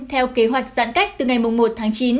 theo kế hoạch giãn cách từ ngày một tháng chín